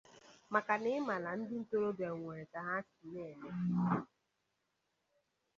maka na ị ma na ndị ntorobịa nwere ka ha si eme